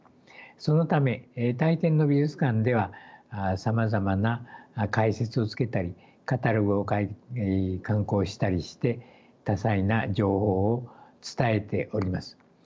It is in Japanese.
そのため大抵の美術館ではさまざまな解説をつけたりカタログを刊行したりして多彩な情報を伝えております。